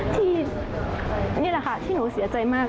ที่นี่แหละค่ะที่หนูเสียใจมาก